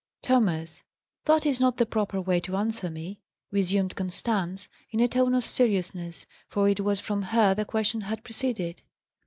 "Thomas, that is not the proper way to answer me," resumed Constance, in a tone of seriousness, for it was from her the question had proceeded.